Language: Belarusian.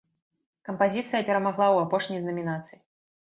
Кампазіцыя перамагла ў апошняй з намінацый.